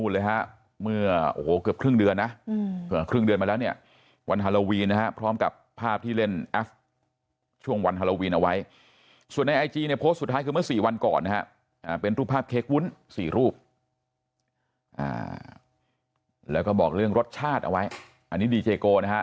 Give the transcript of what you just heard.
แล้วก็บอกเรื่องรสชาติเอาไว้อันนี้ดีเจโกนะฮะ